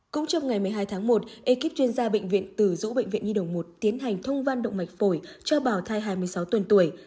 cũng trong ngày một mươi hai tháng một ekip chuyên gia bệnh viện từ dũ bệnh viện nhi đồng một tiến hành thông văn động mạch phổi cho bà thai hai mươi sáu tuần tuổi